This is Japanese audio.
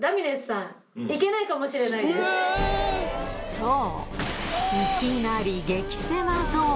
そう！